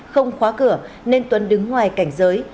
không khóa cửa nên tuấn đứng ngoài cảnh giới